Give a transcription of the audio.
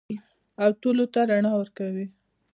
او ټولو ته رڼا ورکوي.